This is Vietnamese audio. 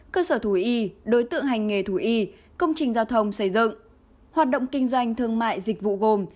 cơ sở thú y đối tượng hành nghề thủ y công trình giao thông xây dựng hoạt động kinh doanh thương mại dịch vụ gồm